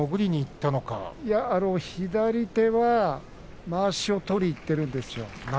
いや左手はまわしを取りにいってるんですよ。